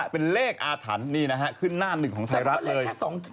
เป็นเลขอาถรรพ์นี่นะฮะขึ้นหน้าหนึ่งของไทยรัฐเลย